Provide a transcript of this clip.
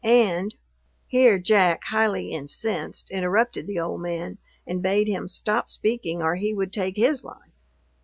And " Here Jack, highly incensed, interrupted the old man, and bade him stop speaking or he would take his life.